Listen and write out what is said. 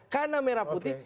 karena merah putih